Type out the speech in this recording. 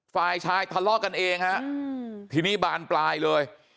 ฝ่ายชายทะเลาะกันเองฮะทีนี้บานปลายเลย